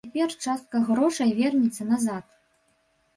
Цяпер частка грошай вернецца назад.